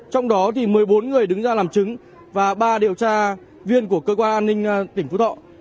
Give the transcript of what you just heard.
trong đó một mươi bốn người đứng ra làm chứng và ba điều tra viên của cơ quan an ninh tỉnh phú thọ